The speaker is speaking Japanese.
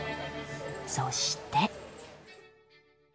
そして。